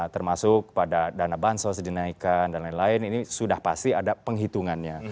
termasuk pada dana bansos dinaikkan dan lain lain ini sudah pasti ada penghitungannya